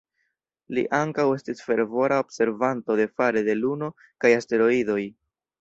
Li ankaŭ estis fervora observanto de fare de Luno kaj asteroidoj.